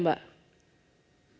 mbak kalau besok mati mbak